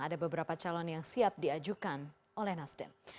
ada beberapa calon yang siap diajukan oleh nasdem